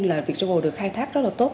là virtual được khai thác rất là tốt